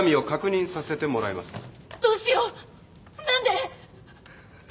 確認させてもらいます。